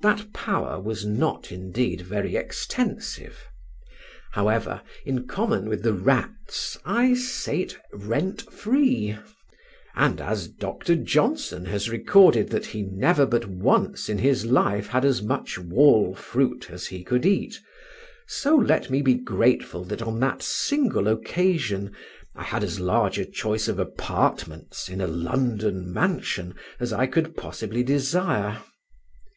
That power was not, indeed, very extensive; however, in common with the rats, I sate rent free; and as Dr. Johnson has recorded that he never but once in his life had as much wall fruit as he could eat, so let me be grateful that on that single occasion I had as large a choice of apartments in a London mansion as I could possibly desire.